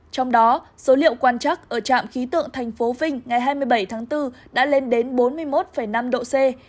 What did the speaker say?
trong đó số liệu quan trắc ở trạm khí tượng thành phố vinh ngày hai mươi bảy tháng bốn đã lên đến bốn mươi một năm độ c